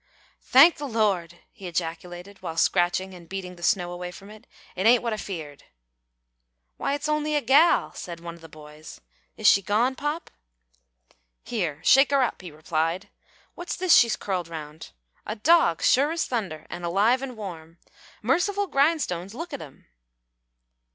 "Thank the Lord!" he ejaculated, while scratching and beating the snow away from it, "it ain't what I feared." "Why, it's only a gal," said one of the boys. "Is she gone, pop?" "Here shake her up," he replied. "What's this she's curled round? A dog, sure as thunder, an' alive an' warm. Merciful grindstones, look at him!"